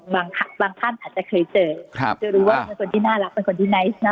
บางท่านอาจจะเคยเจอจะรู้ว่าเป็นคนที่น่ารักเป็นคนที่ไนท์นะ